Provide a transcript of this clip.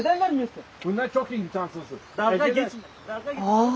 ・ああ。